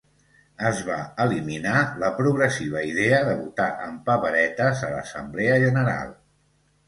Es va eliminar la progressiva idea de votar amb paperetes a l'assemblea general.